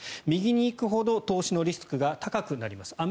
右に行くほど投資のリスクが高くなります。